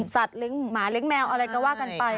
สัตว์หมาเล็งแมวอะไรก็ว่ากันไป